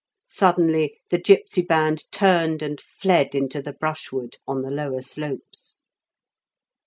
Suddenly the gipsy band turned and fled into the brushwood on the lower slopes.